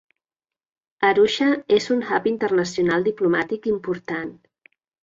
Arusha és un hub internacional diplomàtic important.